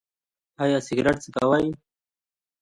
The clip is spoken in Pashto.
ایا سګرټ څکوئ؟